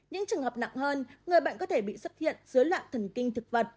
những trường hợp nặng hơn người bệnh có thể bị xuất hiện dưới loạn thần kinh thực vật